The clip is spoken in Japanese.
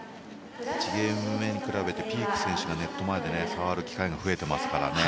１ゲーム目に比べてピーク選手がネット前で触る機会が増えていますから。